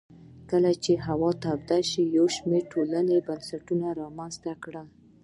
کله چې هوا توده شوه یو شمېر ټولنو بنسټونه رامنځته کړل